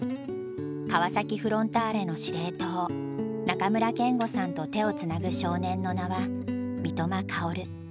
川崎フロンターレの司令塔中村憲剛さんと手をつなぐ少年の名は三笘薫。